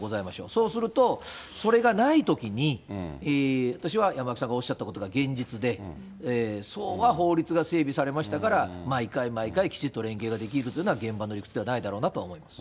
そうすると、それがないときに、私は山脇さんがおっしゃったことが現実で、法律が整備されましたから、毎回毎回きちっと連携ができるっていうのは、現場の理屈ではないだろうなとは思います。